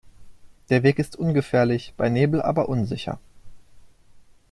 Der Weg ist ungefährlich, bei Nebel aber unsicher.